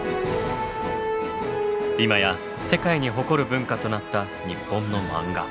今や世界に誇る文化となった日本のマンガ。